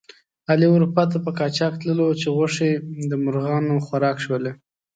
علي اروپا ته په قاچاق تللو چې غوښې د مرغانو خوراک شولې.